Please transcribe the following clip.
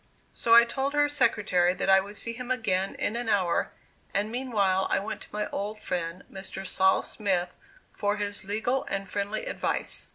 So I told her secretary that I would see him again in an hour, and meanwhile I went to my old friend Mr. Sol. Smith for his legal and friendly advice.